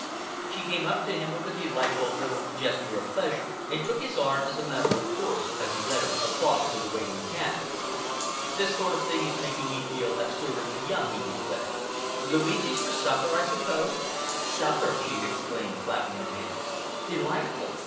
She came up to him with a delightful little gesture of pleasure, and took his arm as a matter of course as he led her across to the waiting cab. "This sort of thing is making me feel absurdly young," he declared. "Luigi's for supper, I suppose?" "Supper!" she exclaimed, clapping her hands. "Delightful!